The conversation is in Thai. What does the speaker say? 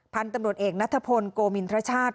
พันธุ์ตำรวจเอกนัทพลโกมินทรชาติ